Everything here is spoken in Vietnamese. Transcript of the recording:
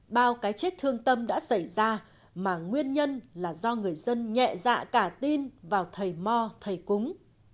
bao cái chết thương tâm đã xảy ra mà nguyên nhân là do người dân nhẹ dạ cả tin vào thầy mò thầy cúng